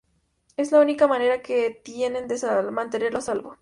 Es la única manera que tienen de mantenerlo a salvo.